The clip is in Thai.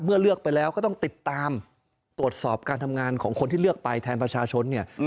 เลือกไปแล้วก็ต้องติดตามตรวจสอบการทำงานของคนที่เลือกไปแทนประชาชนเนี่ย